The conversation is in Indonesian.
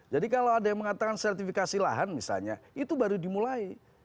jadi kalau ada yang mengatakan sertifikasi lahan misalnya itu baru dimulai